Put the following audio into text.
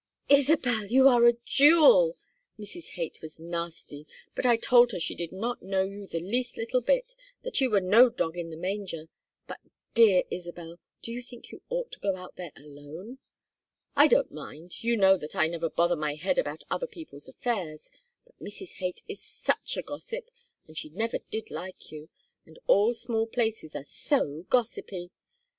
"Isabel! You are a jewel! Mrs. Haight was nasty, but I told her she did not know you the least little bit, that you were no dog in the manger. But, dear Isabel, do you think you ought to go out there alone? I don't mind; you know that I never bother my head about other people's affairs, but Mrs. Haight is such a gossip, and she never did like you, and all small places are so gossipy.